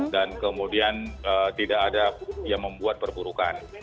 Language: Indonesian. dan kemudian tidak ada yang membuat perburukan